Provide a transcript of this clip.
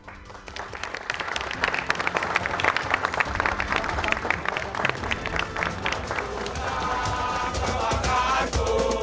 tentu tak kebangkanku